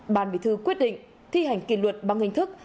bàn bị thư quyết định thi hành kỷ luật bằng hình thức